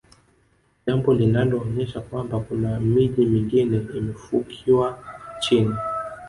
jambo linaloonyesha kwamba kuna miji mingine imefukiwa chini